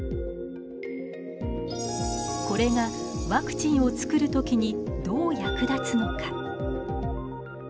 これがワクチンを作る時にどう役立つのか。